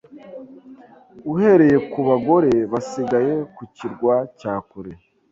uhereye ku bagore basigaye ku kirwa cya kure